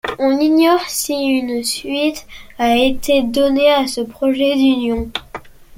On ignore si une suite a été donnée à ce projet d'union.